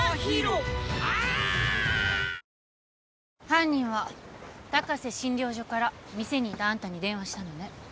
犯人は高瀬診療所から店にいたあんたに電話したのね。